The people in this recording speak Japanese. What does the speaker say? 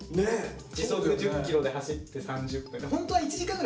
時速１０キロで走って３０分。